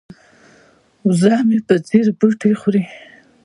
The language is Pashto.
وزه مې په ځیر بوټي خوري.